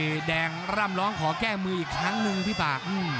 นี่แดงร่ำร้องขอแก้มืออีกครั้งหนึ่งพี่ปาก